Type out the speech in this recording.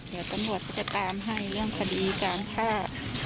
เดี๋ยวตำรวจก็จะตามให้เรื่องคดีการฆ่า